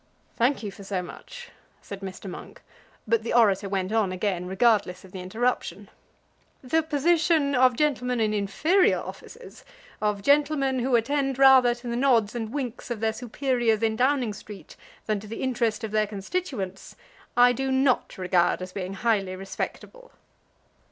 "Thank you for so much," said Mr. Monk. But the orator went on again, regardless of the interruption: "The position of gentlemen in inferior offices, of gentlemen who attend rather to the nods and winks of their superiors in Downing Street than to the interest of their constituents, I do not regard as being highly respectable."